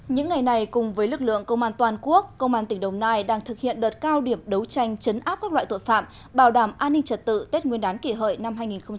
những ngày này cùng với lực lượng công an toàn quốc công an tỉnh đồng nai đang thực hiện đợt cao điểm đấu tranh chấn áp các loại tội phạm bảo đảm an ninh trật tự tết nguyên đán kỷ hợi năm hai nghìn một mươi chín